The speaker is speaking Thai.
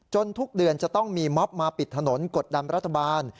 ทุกเดือนจะต้องมีม็อบมาปิดถนนกดดันรัฐบาล